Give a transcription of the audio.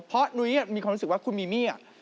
เพราะหนูนรู้สึกว่าคุณมิมี่